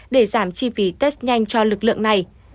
để giảm chi phí test nhanh cho lực lượng này